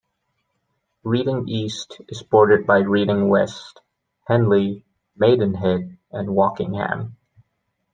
Reading East is bordered by Reading West, Henley, Maidenhead, and Wokingham.